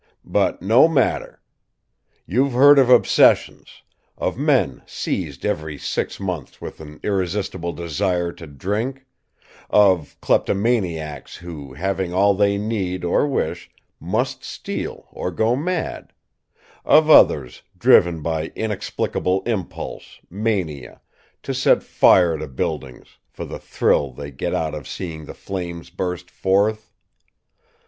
But no matter "You've heard of obsessions of men seized every six months with an irresistible desire to drink of kleptomaniacs who, having all they need or wish, must steal or go mad of others driven by inexplicable impulse, mania, to set fire to buildings, for the thrill they get out of seeing the flames burst forth.